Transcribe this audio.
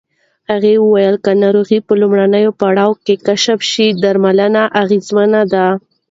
هغې وویل که ناروغي په لومړي پړاو کې کشف شي، درملنه اغېزمنه ده.